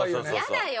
嫌だよ。